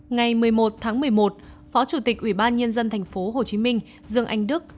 ngày một mươi một tháng một mươi một phó chủ tịch ubnd tp hcm dương anh đức